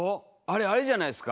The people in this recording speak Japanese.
あれじゃないですか？